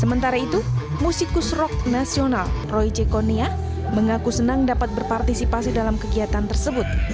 sementara itu musikus rock nasional royce konia mengaku senang dapat berpartisipasi dalam kegiatan tersebut